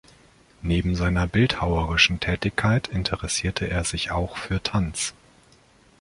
Neben seiner bildhauerischen Tätigkeit interessierte er sich auch für Tanz.